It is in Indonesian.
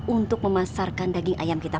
untuk memasarkan daging ayam kita